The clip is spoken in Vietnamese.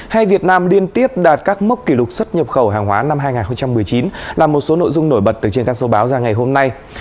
hay việt nam liên tiếp đạt các mốc kỷ lục xuất nhập khẩu hàng hóa năm hai nghìn một mươi chín là một số nội dung nổi bật từ trên các số báo ra ngày hôm nay